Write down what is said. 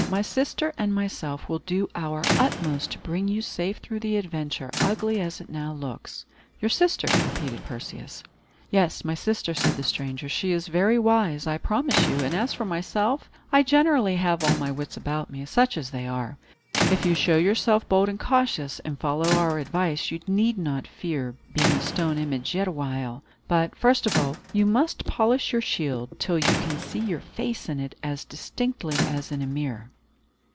My sister and myself will do our utmost to bring you safe through the adventure, ugly as it now looks." "Your sister?" repeated Perseus. "Yes, my sister," said the stranger. "She is very wise, I promise you; and as for myself, I generally have all my wits about me, such as they are. If you show yourself bold and cautious, and follow our advice, you need not fear being a stone image yet awhile. But, first of all, you must polish your shield, till you can see your face in it as distinctly as in a mirror."